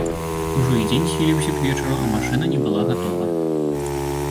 Ужо і дзень схіліўся к вечару, а машына не была гатова.